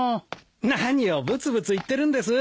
何をぶつぶつ言ってるんです？